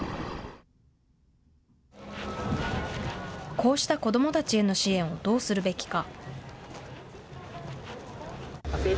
こうした子どもたちへの支援をどうするべきか。